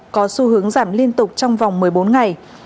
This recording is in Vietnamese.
có xu hướng giảm liên tục trong vòng một mươi bốn ngày